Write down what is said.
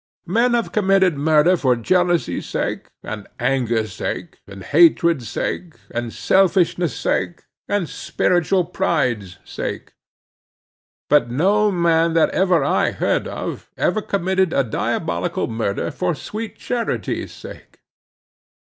Men have committed murder for jealousy's sake, and anger's sake, and hatred's sake, and selfishness' sake, and spiritual pride's sake; but no man that ever I heard of, ever committed a diabolical murder for sweet charity's sake.